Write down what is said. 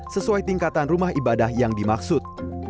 sesuai tingkatan rumah ibadah yang dimaksud